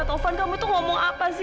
taufan kamu tuh ngomong apa sih